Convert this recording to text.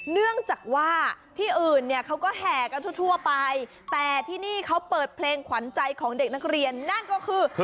เนื่องจากว่าที่อื่นเนี่ยเขาก็แห่กันทั่วไปแต่ที่นี่เขาเปิดเพลงขวัญใจของเด็กนักเรียนนั่นก็คือ